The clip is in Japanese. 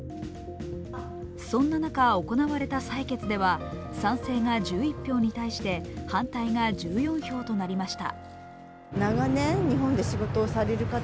そんな中、行われた採決では賛成が１１票に対して反対が１４票となりました。